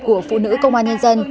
của phụ nữ công an nhân dân